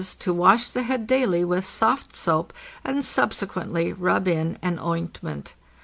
to wash the head daily with soft soap and subsequently rub in an ointment.